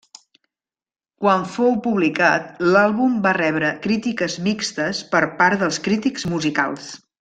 Quan fou publicat, l'àlbum va rebre crítiques mixtes per part dels crítics musicals.